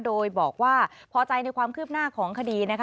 โดยบอกว่าพอใจในความคืบหน้าของคดีนะคะ